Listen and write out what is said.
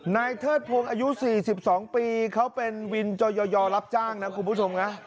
นายเทศภงอายุ๔๒ปีเขาเป็นวินจอยอยรับจ้างทุกผู้ชมนะครับ